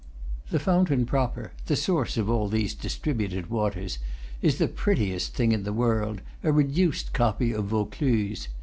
The fountain proper the source of all these dis tributed waters is the prettiest thing in the world, a reduced copy of Vaucluse.